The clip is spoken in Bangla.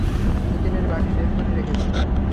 চিকেনের বাটি বের করে রেখেছি।